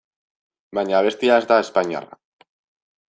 Baina abestia ez da espainiarra.